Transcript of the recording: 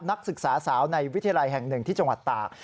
นักศึกษาสาวในวิทยาลัยแห่งหนึ่งที่จังหวัดตาก